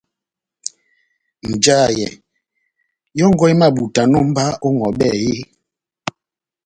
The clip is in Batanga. Njahɛ yɔ́ngɔ emabutanɔ mba ó ŋʼhɔbɛ eeeh ?